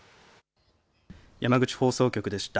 山口放送局でした。